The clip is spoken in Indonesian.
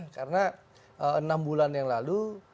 karena enam bulan yang lalu